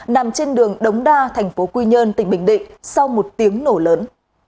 nằm trên đường đống đa thành phố quy nhơn tỉnh bình định sau một tiếng nổ lớn